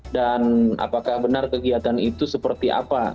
dan apakah benar kegiatan itu seperti apa